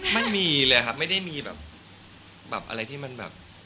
ไม่มีเลยครับไม่ได้มีแบบอะไรที่มันแบบ